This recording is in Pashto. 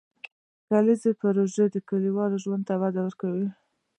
کرنيزې پروژې د کلیوالو ژوند ته وده ورکوي.